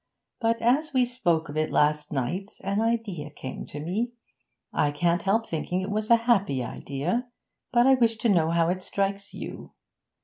But, as we spoke of it last night, an idea came to me. I can't help thinking it was a happy idea, but I wish to know how it strikes you.